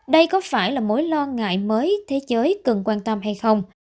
đây có phải là mối lo ngại mới thế giới cần quan tâm hay không